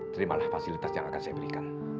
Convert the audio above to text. terimalah fasilitas yang akan saya berikan